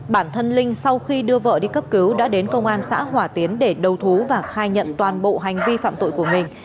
bản thân linh sau khi đưa vợ đi cấp cứu đã đến công an xã hòa tiến để đầu thú và khai nhận toàn bộ hành vi phạm tội của mình